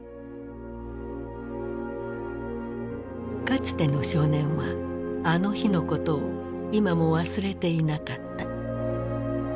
かつての少年はあの日のことを今も忘れていなかった。